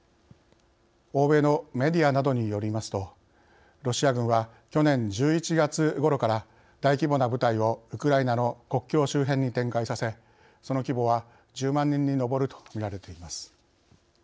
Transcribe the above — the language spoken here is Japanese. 欧米のメディアなどによりますとロシア軍は去年１１月ごろから大規模な部隊をウクライナの国境周辺に展開させその規模は１０万人に上ると見られています。